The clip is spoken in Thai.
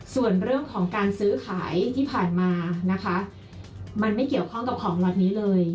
ส่วนเรื่องของการซื้อขายที่ผ่านมานะคะมันไม่เกี่ยวข้องกับของเหล่านี้เลย